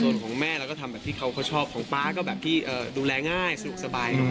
ส่วนของแม่เราก็ทำแบบที่เขาชอบของป๊าก็แบบที่ดูแลง่ายสะดวกสบาย